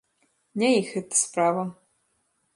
Не іх гэта справа.